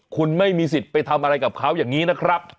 คุณไม่มีสิทธิ์ไปทำอะไรกับเขาอย่างนี้นะครับ